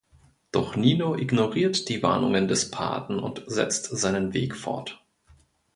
Doch Nino ignoriert die Warnungen des Paten und setzt seinen Weg fort.